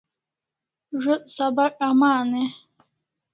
Zo't sabak aman e ?